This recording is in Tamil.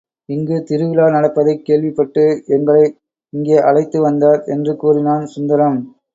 இங்கு திருவிழா நடப்பதைக் கேள்விப் பட்டு எங்களை இங்கே அழைத்து வந்தார் என்று கூறினான் சுந்தரம்.